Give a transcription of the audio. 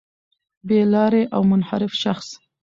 بې لاري او منحرف شخص